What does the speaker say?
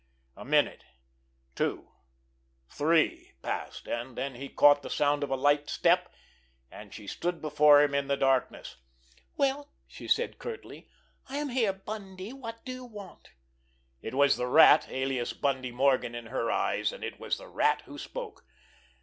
A minute, two, three passed, and then he caught the sound of a light step, and she stood before him in the darkness. "Well?" she said curtly. "I am here, Bundy. What do you want?" He was the Rat, alias Bundy Morgan, in her eyes, and it was the Rat who spoke.